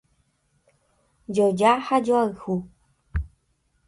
Joja ha joayhu